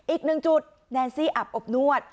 อีกหนึ่งจุดแดนซี่อับอบนวด